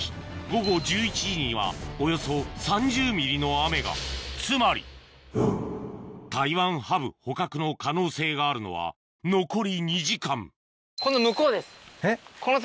午後１１時にはおよそ３０ミリの雨がつまりタイワンハブ捕獲の可能性があるのはこの向こうです。